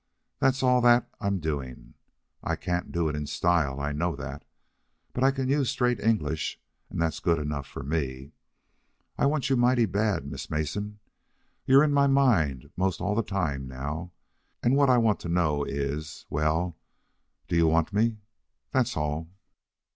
That's all that I'm doing. I can't do it in style. I know that. But I can use straight English, and that's good enough for me. I sure want you mighty bad, Miss Mason. You're in my mind 'most all the time, now. And what I want to know is well, do you want me? That's all."